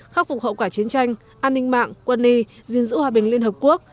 khắc phục hậu quả chiến tranh an ninh mạng quân y gìn giữ hòa bình liên hợp quốc